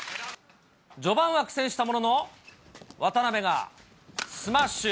序盤は苦戦したものの、渡辺がスマッシュ。